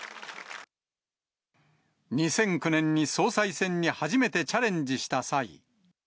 ２００９年に総裁選に初めてチャレンジした際。